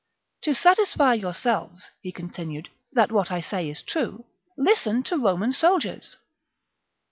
"To satisfy yourselves," he continued, "that what I say is true, listen to Roman soldiers